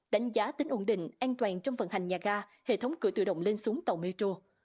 đánh giá tính ổn định an toàn trong vận hành nhà ga hệ thống cửa tự động lên xuống tàu metro